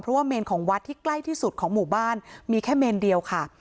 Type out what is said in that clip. เพราะว่าเมนของวัดที่ใกล้ที่สุดของหมู่บ้านมีแค่เมนเดียวค่ะ